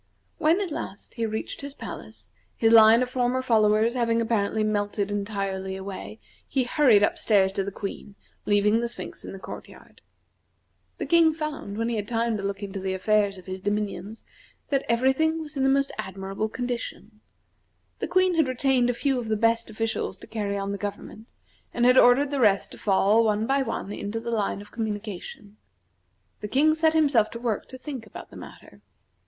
When at last, he reached his palace, his line of former followers having apparently melted entirely away, he hurried up stairs to the Queen, leaving the Sphinx in the court yard. The King found, when he had time to look into the affairs of his dominions, that every thing was in the most admirable condition. The Queen had retained a few of the best officials to carry on the government, and had ordered the rest to fall, one by one, into the line of communication. The King set himself to work to think about the matter.